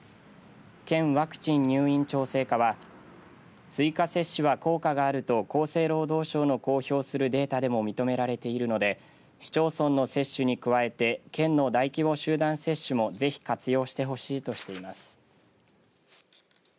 県ワクチン・入院調整課は追加接種は効果があると厚生労働省の公表するデータでも認められているので市町村の接種に加えて県の大規模集団接種もぜひ活用してほしいとしています。